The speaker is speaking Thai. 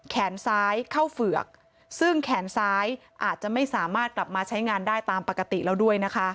แขนซ้ายเข้าเฝือกซึ่งแขนซ้ายอาจจะไม่สามารถกลับมาใช้งานได้ตามปกติแล้วด้วยนะคะ